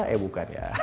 eh bukan ya